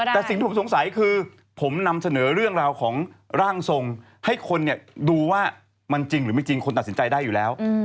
แต่สิ่งที่ผมสงสัยคือผมนำเสนอเรื่องราวของร่างทรงให้คนดูว่ามันจริงหรือไม่จริงคนตัดสินใจได้อยู่แล้ว